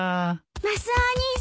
マスオお兄さん。